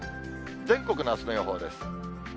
全国のあすの予報です。